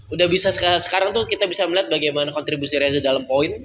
udah bisa sekarang tuh kita bisa melihat bagaimana kontribusi reza dalam poin